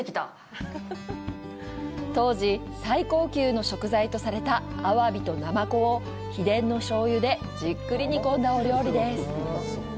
当時、最高級の食材とされたアワビとナマコを秘伝の醤油でじっくり煮込んだお料理です。